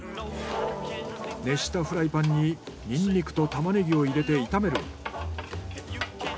熱したフライパンにニンニクとタマネギを入れて炒める。